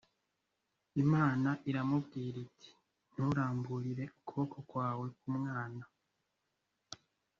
imana iramubwira iti nturamburire ukuboko kwawe ku mwana.